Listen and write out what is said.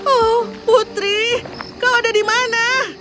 oh putri kau ada di mana